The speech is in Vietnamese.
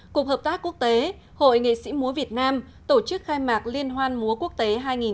cục hợp tác quốc tế hội nghệ sĩ múa việt nam tổ chức khai mạc liên hoan múa quốc tế hai nghìn một mươi chín